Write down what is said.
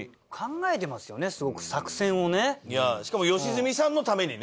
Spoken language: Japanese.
しかも良純さんのためにね。